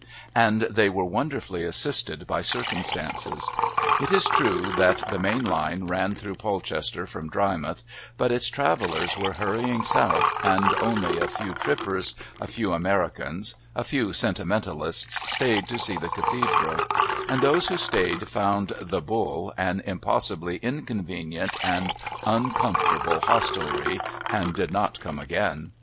And they were wonderfully assisted by circumstances. It is true that the main line ran through Polchester from Drymouth, but its travellers were hurrying south, and only a few trippers, a few Americans, a few sentimentalists stayed to see the Cathedral; and those who stayed found "The Bull" an impossibly inconvenient and uncomfortable hostelry and did not come again.